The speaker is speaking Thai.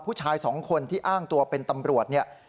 ผู้ชายสองคนที่อ้างตัวเป็นตำรวจเนี่ย